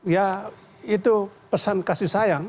ya itu pesan kasih sayang